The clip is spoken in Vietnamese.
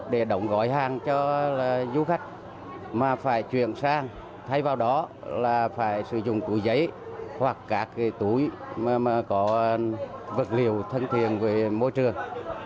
để đóng gói hàng cho du khách mà phải chuyển sang thay vào đó là phải sử dụng túi giấy hoặc các túi mà có vật liệu thân thiện với môi trường